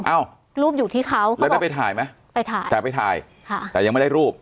อ้าวรูปอยู่ที่เขาแล้วได้ไปถ่ายไหมไปถ่ายแต่ไปถ่ายค่ะแต่ยังไม่ได้รูป